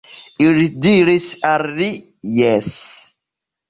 Ili diris al li: Jes.